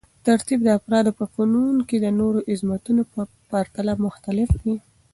ترتیب د افرادو په فنون کې د نورو عظمتونو په پرتله مختلف دی.